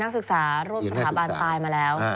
นักศึกษาร่วมสถาบันตายมาแล้ว